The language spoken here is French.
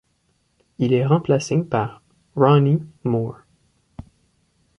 Il est remplacé par Ronnie Moore.